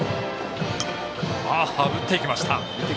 打っていきました。